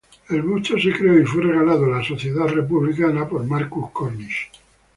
El busto se creó y fue regalado a la Sociedad Real por Marcus Cornish.